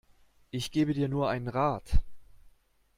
Ich gebe dir nur einen Rat.